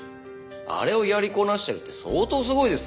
あれをやりこなしてるって相当すごいですよ。